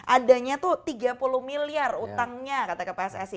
adanya tuh tiga puluh miliar utangnya kata ke pssi